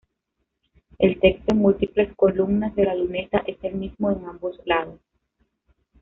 El texto en múltiples columnas de la luneta es el mismo en ambos lados.